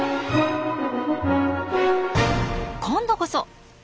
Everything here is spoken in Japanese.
今度こそ。